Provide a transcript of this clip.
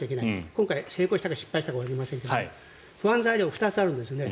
今回は成功したかしてないかはわかりませんけども不安材料は２つあるんですね。